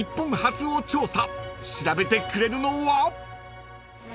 ［調べてくれるのは］